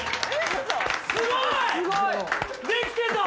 すごい！